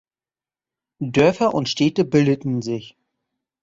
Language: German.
Dörfer und Städte bildeten sich.